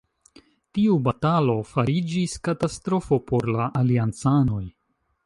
Tiu batalo fariĝis katastrofo por la aliancanoj.